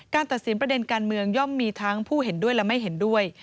ตัดสินประเด็นการเมืองย่อมมีทั้งผู้เห็นด้วยและไม่เห็นด้วย